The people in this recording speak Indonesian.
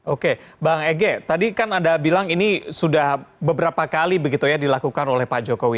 oke bang ege tadi kan anda bilang ini sudah beberapa kali begitu ya dilakukan oleh pak jokowi